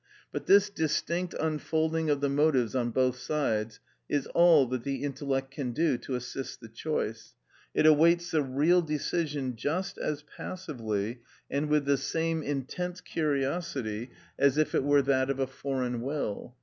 But this distinct unfolding of the motives on both sides is all that the intellect can do to assist the choice. It awaits the real decision just as passively and with the same intense curiosity as if it were that of a foreign will.